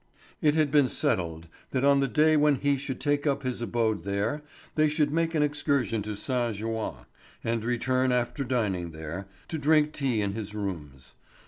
It had been settled that on the day when he should take up his abode there they should make an excursion to Saint Jouin, and return after dining there, to drink tea in his rooms.